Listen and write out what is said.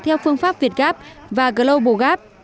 theo phương pháp việt gap và global gap